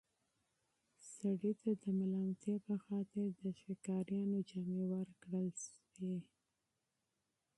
سړي ته د ملامتیا په خاطر د ښکاریانو جامې ورکړل شوې.